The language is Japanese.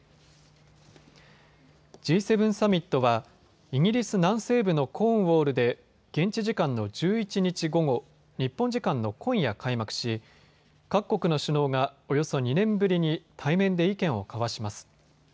Ｇ７サミットはイギリス南西部のコーンウォールで現地時間の１１日午後、日本時間の今夜、開幕し各国の首脳がおよそ２年ぶりに対面で意見を交わします。